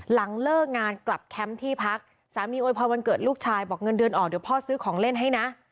หลังเลิกงานกลับแคมป์ที่พักสามีโวยพรวันเกิดลูกชายบอกเงินเดือนออกเดี๋ยวพ่อซื้อของเล่นให้นะ